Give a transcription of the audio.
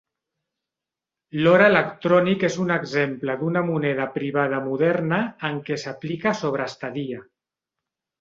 L'or electrònic és un exemple d'una moneda privada moderna en què s'aplica sobreestadia.